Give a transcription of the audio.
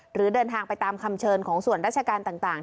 หรือเดินทางไปตามคำเชิญของส่วนราชการต่าง